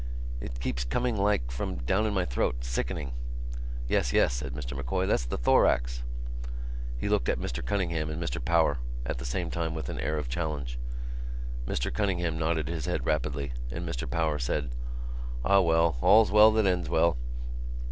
"It keeps coming like from down in my throat; sickening thing." "Yes, yes," said Mr M'Coy, "that's the thorax." He looked at Mr Cunningham and Mr Power at the same time with an air of challenge. Mr Cunningham nodded his head rapidly and Mr Power said: "Ah, well, all's well that ends well."